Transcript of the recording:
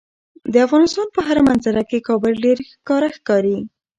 د افغانستان په هره منظره کې کابل ډیر ښکاره ښکاري.